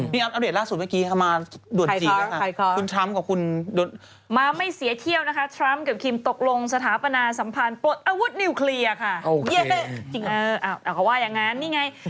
นี่อัปเดตล่าสุดเมื่อกี้เค้ามาด่วนจีน